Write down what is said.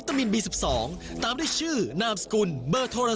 โชคดีจริงเลยนะ